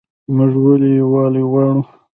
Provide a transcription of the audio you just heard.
موږ ولې یووالی غواړو؟